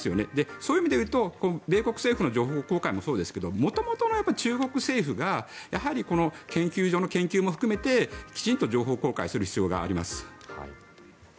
そういう意味で言うと米国政府の情報公開もそうですが元々の中国政府がやはり研究所の研究も含めてきちんと情報公開する必要があります。